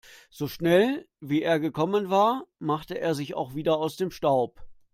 So schnell, wie er gekommen war, machte er sich auch wieder aus dem Staub.